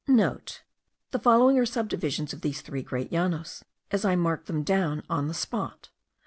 (* The following are subdivisions of these three great Llanos, as I marked them down on the spot.